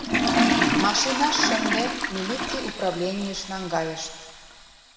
Машинаш шынден, милиций управленийыш наҥгайышт.